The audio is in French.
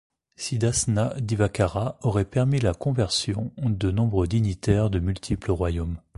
Siddhasena Divakara aurait permis la conversion de nombreux dignitaires de multiples royaumes.